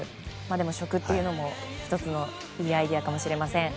でも食も１つのいいアイデアかもしれません。